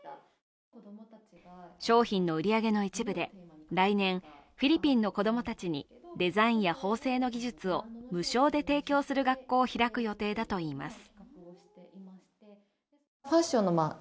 商品の売上の一部で来年、フィリピンの子供たちにデザインや縫製の技術を無償で提供する学校を開く予定だといいます。